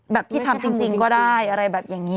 ที่ทำจริงก็ได้อะไรแบบอย่างนี้